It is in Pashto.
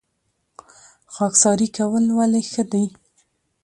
خاکساري کول ولې ښه دي؟